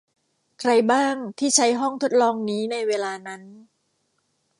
ใครบ้างที่ใช้ห้องทดลองนี้ในเวลานั้น